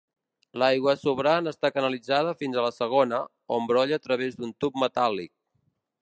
L'aigua sobrant està canalitzada fins a la segona, on brolla a través d'un tub metàl·lic.